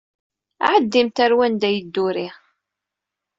Ɛeddimt ar wanda i yedduri!